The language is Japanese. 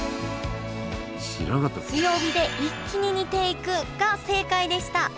「強火で一気に煮ていく」が正解でした。